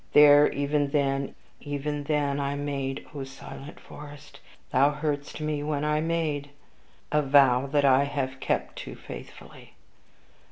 There, even then, even then, I made O silent forest! thou heardst me when I made a vow that I have kept too faithfully.